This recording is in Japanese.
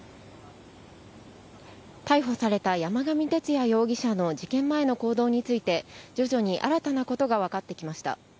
逮捕された山上徹也容疑者の事件前の行動について、徐々に新たなことが分かってきました。